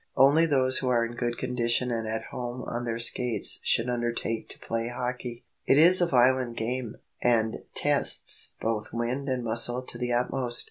Only those who are in good condition and at home on their skates should undertake to play hockey. It is a violent game, and tests both wind and muscle to the utmost.